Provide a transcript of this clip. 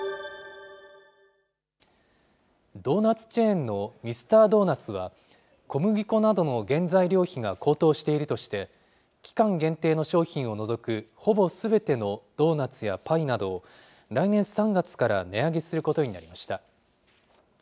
ドーナツチェーンのミスタードーナツは、小麦粉などの原材料費が高騰しているとして、期間限定の商品を除くほぼすべてのドーナツやパイなどを、来年３月から値上げすることになりました。